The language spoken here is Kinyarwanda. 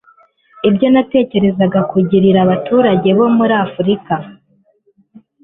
ibyo natekerezaga kugirira abaturage bo muri afurika